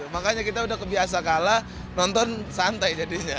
makanya kita udah kebiasa kalah nonton santai jadinya